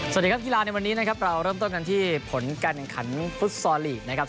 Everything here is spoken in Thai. สวัสดีครับกีฬาในวันนี้นะครับเราเริ่มต้นกันที่ผลการแข่งขันฟุตซอลลีกนะครับ